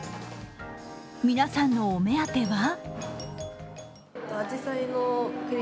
皆さんのお目当ては？